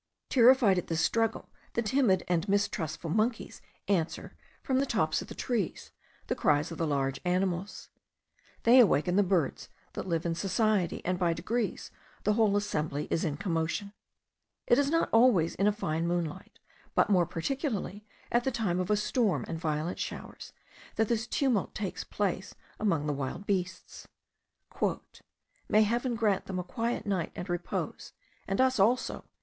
Terrified at this struggle, the timid and mistrustful monkeys answer, from the tops of the trees, the cries of the large animals. They awaken the birds that live in society, and by degrees the whole assembly is in commotion. It is not always in a fine moonlight, but more particularly at the time of a storm and violent showers, that this tumult takes place among the wild beasts. "May Heaven grant them a quiet night and repose, and us also!"